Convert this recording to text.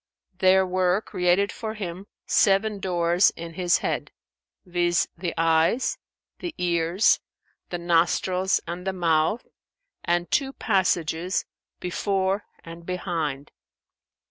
There were created for him seven doors in his head, viz., the eyes, the ears, the nostrils and the mouth, and two passages, before and behind.